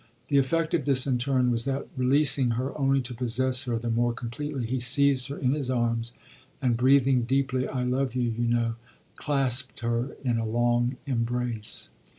The effect of this, in turn, was that, releasing her only to possess her the more completely, he seized her in his arms and, breathing deeply "I love you, you know," clasped her in a long embrace.